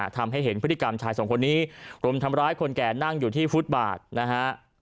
ทำให้เห็นพฤติกรรมชายสองคนนี้รุมทำร้ายคนแก่นั่งอยู่ที่ฟุตบาทนะฮะ